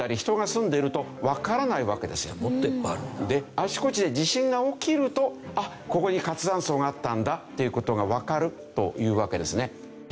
あちこちで地震が起きるとここに活断層があったんだっていう事がわかるというわけですね。